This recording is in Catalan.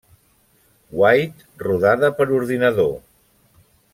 White rodada per ordinador.